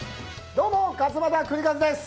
どうも勝俣州和です。